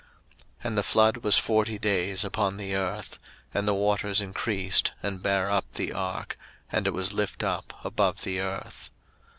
01:007:017 And the flood was forty days upon the earth; and the waters increased, and bare up the ark, and it was lift up above the earth.